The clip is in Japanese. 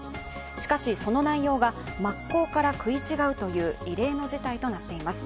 しかし、その内容が真っ向から食い違うという異例の事態となっています。